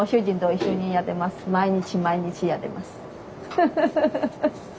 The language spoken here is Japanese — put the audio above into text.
フフフフフ！